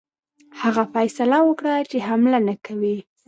هغه فیصله وکړه چې حمله نه کوي.